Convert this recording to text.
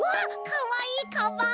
かわいいかばん！